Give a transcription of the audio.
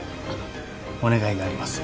お願いがあります。